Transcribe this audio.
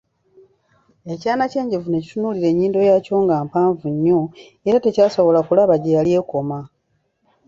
Ekyana ky'enjovu ne kitunulira ennyindo yaakyo nga mpanvu nnyo, era tekyasobola kulaba gye yali ekoma.